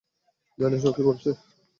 জানিস, ও কী বলেছে?